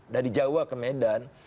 dari jawa ke medan